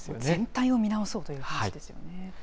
全体を見直そうという話ですよね。